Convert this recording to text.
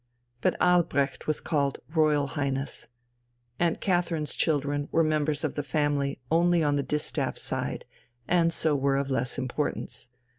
But Albrecht was called "Royal Highness." Aunt Catherine's children were members of the family only on the distaff side, and so were of less importance.